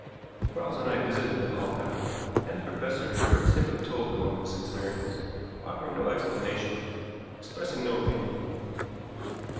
Quarles and I visited the Halls afterward, and the professor very simply told them of his experience, offering no explanation, expressing no opinion.